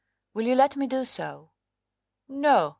Will you let me do so?" "No!"